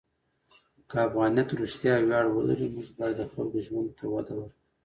که افغانیت رښتیا ویاړ ولري، موږ باید د خلکو ژوند ته وده ورکړو.